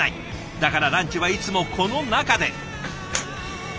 だからランチはいつもこの中で。